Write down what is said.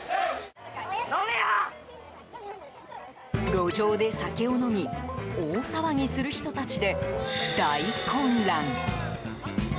路上で酒を飲み大騒ぎする人たちで大混乱。